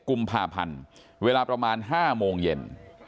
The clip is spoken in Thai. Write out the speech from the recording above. กุมภาพันธ์เวลาประมาณ๕โมงเย็น